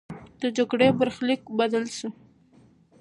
د جګړې برخلیک بدل سو.